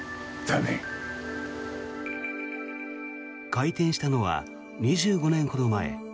開店したのは２５年ほど前。